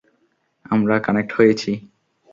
আমরা কানেক্ট হয়েছি।